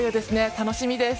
楽しみです。